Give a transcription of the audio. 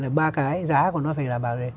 là ba cái giá của nó phải làm bảo